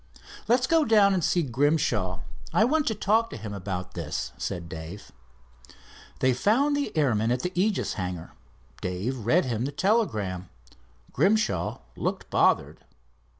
"Let's go down and see Grimshaw. I want to talk to him about this," said Dave. They found the airman at the Aegis hangar. Dave read him the telegram. Grimshaw looked bothered.